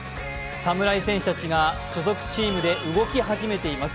侍選手たちが所属チームで動き始めています。